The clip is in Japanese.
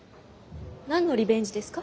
何のリベンジですか？